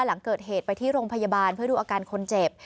หลังเกิดเหตุไปที่โรงพยาบาลเพื่อดูอาการคนเจ็บ